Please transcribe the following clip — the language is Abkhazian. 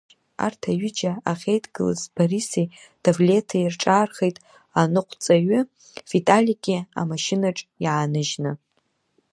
Арҭ аҩыџьа ахьеидгылаз Бориси Давлеҭи рҿаархеит, аныҟәцаҩи Виталики амашьынаҿ иааныжьны.